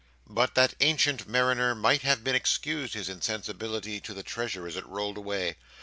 But that ancient mariner might have been excused his insensibility to the treasure as it rolled away.